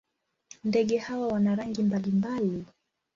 Ndege hawa wana rangi mbalimbali.